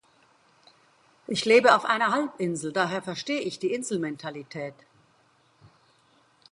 Ich lebe auf einer Halbinsel, daher verstehe ich die Inselmentalität.